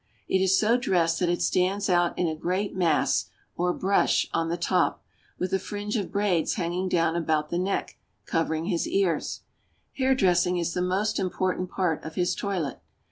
It is so c]ii.'ssL (] t]i il It stinds out in a great mass or brush on the top, with a fringe of braids hanging down about the neck, covering his ears. Hairdressing is the most important part of his toilet.